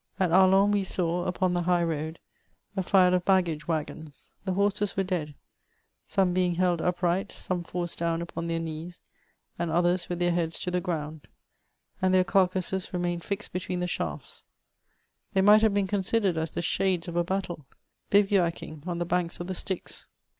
At Arlon we saw, upon the high road, a file of baggage waggons ; the horses were dead, some being held upright, some forced down upon their knees, and others with their heads to the g^und ; and their carcases remained fixed between the shafts : they might have been considered as the shades of a battle, bivouacking on the banks of the Styx.